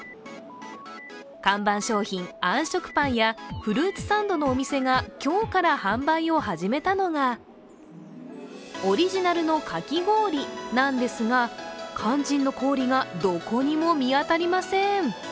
看板商品、あん食パンやフルーツサンドのお店が今日から販売を始めたのが、オリジナルのかき氷なんですが、肝心の氷がどこにも見当たりません。